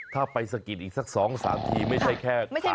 ถ้าไปสะกิดอีกสัก๒๓ทีไม่ใช่แค่